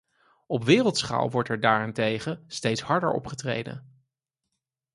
Op wereldschaal wordt er daarentegen steeds harder opgetreden.